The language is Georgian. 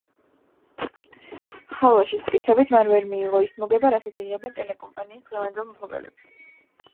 ხალვაშის მტკიცებით, მან ვერ მიიღო ის მოგება, რასაც იღებენ ტელეკომპანიის დღევანდელი მფლობელები.